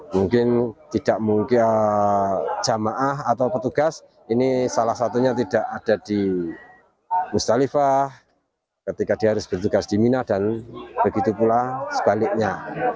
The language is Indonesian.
mungkin tidak mungkin jamaah atau petugas ini salah satunya tidak ada di musdalifah ketika dia harus bertugas di mina dan begitu pula sebaliknya